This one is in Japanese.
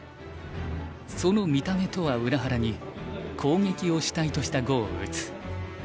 その見た目とは裏腹に攻撃を主体とした碁を打つ。